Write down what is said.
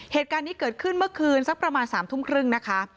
เหตุการณ์นี้เกิดขึ้นเมื่อคืนสักประมาณ๓ทุ่มครึ่งนะคะ